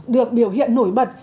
được biểu hiện nổi bật